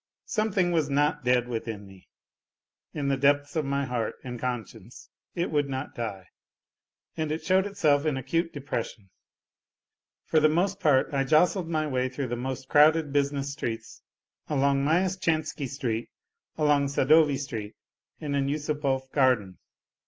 Some thing was not dead within me, in the depths of my heart and conscience it would not die, and it showed itself in acute depres sion. For the most part I jostled my way through the most crowded business streets, along Myeshtehansky Street, along Su'lovy Street and in Yusupov Garden.